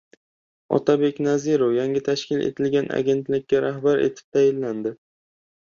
Otabek Nazirov yangi tashkil etilgan agentlikka rahbar etib tayinlandi